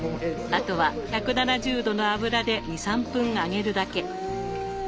あとは１７０度の油で２３分揚げるだけ。